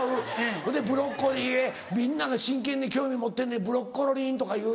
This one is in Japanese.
そいでブロッコリーみんなが真剣に興味持ってんのにブロッコロリンとかいう。